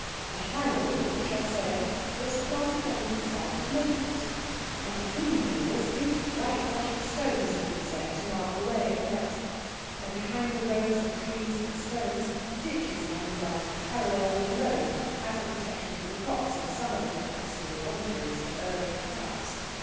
The high road, or chaussée, was planted on either side with maples, and between the maples big whitewashed stones had been set to mark the way at night, and behind the rows of trees and stones, ditches had been dug parallel with the road as a protection to the crops in summer from the possible wanderings of erring carts.